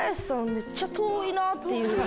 めっちゃ遠いっていう。